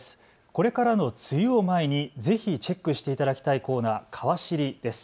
これからの梅雨を前にぜひチェックしていただきたいコーナー、かわ知りです。